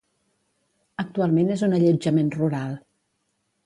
Actualment és un allotjament rural.